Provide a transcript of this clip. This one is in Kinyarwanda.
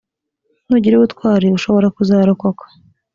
nugira ubutwari ushobora kuzarokora